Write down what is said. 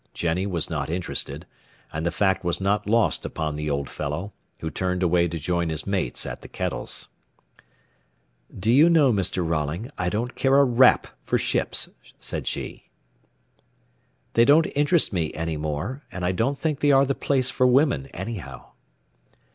Jennie was not interested, and the fact was not lost upon the old fellow, who turned away to join his mates at the kettles. "Do you know, Mr. Rolling, I don't care a rap for ships," said she. "They don't interest me any more, and I don't think they are the place for women, anyhow."